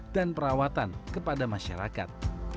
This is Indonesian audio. dan perawatan kepada masyarakat